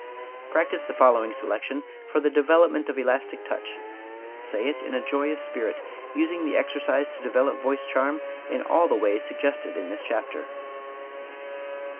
Practise the following selection, for the development of elastic touch; say it in a joyous spirit, using the exercise to develop voice charm in all the ways suggested in this chapter.